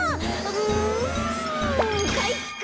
うんかいか！